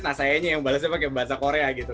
nah saya nya yang balesnya pakai bahasa korea gitu